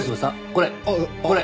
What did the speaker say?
これこれ！